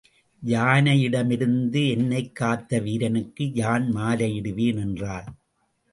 யானையிடமிருந்து என்னைக் காத்த வீரனுக்கே யான் மாலையிடுவேன் என்றாள்.